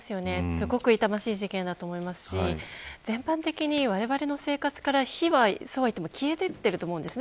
すごく痛ましい事件だと思いますし全般的に、われわれの生活から火は消えていっていると思うんです。